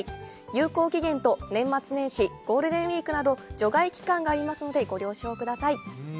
有効期限と、年末年始ゴールデンウィークなど除外期間がありますのでご了承ください。